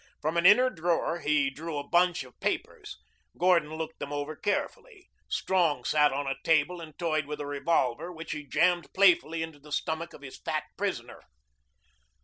From an inner drawer he drew a bunch of papers. Gordon looked them over carefully. Strong sat on a table and toyed with a revolver which he jammed playfully into the stomach of his fat prisoner.